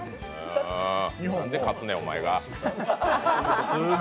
なんで勝つねん、お前が。